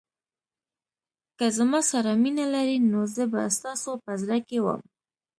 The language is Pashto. که زما سره مینه لرئ نو زه به ستاسو په زړه کې وم.